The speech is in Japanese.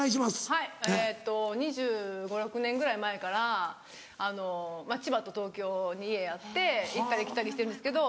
はい２５２６年ぐらい前からあの千葉と東京に家あって行ったり来たりしてるんですけど。